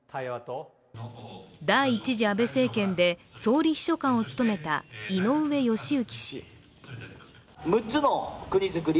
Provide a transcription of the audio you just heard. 第１次安倍政権で総理秘書官を務めた井上義行氏。